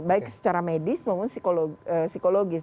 baik secara medis maupun psikologis